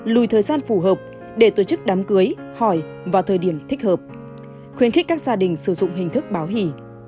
lùi thời gian phù hợp để tổ chức đám cưới hỏi vào thời điểm thích hợp khuyến khích các gia đình sử dụng hình thức báo hỉ